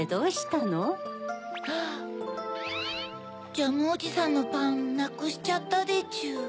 ジャムおじさんのパンなくしちゃったでちゅ。